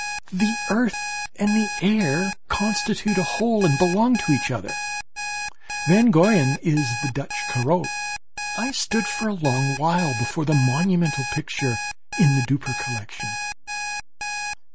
The earth and the air constitute a whole and belong to each other. Van Goyen is the Dutch Corot. I stood for a long while before the monumental picture in the Dupper collection.